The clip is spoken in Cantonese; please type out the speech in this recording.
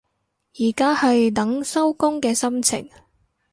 而家係等收工嘅心情